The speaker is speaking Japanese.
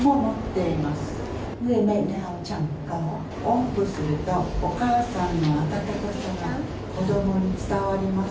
おんぶするとお母さんの温かさが子どもに伝わります。